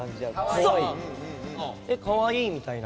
「えっかわいい」みたいな。